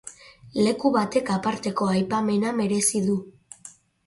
Leku batek aparteko aipamena merezi du.